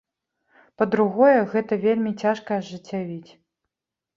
Па-другое, гэта вельмі цяжка ажыццявіць.